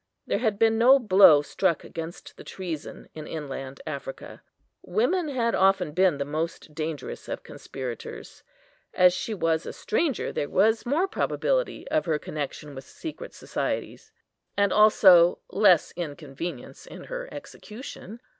There had been no blow struck against the treason in inland Africa. Women had often been the most dangerous of conspirators. As she was a stranger, there was more probability of her connection with secret societies, and also less inconvenience in her execution.